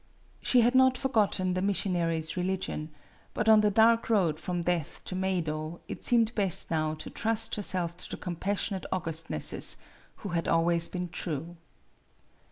She had not forgotten the mission . ary's religion; but on the dark road from death to Meido it seemed best now to trust herself to the compassionate augustnesses, who had always been true.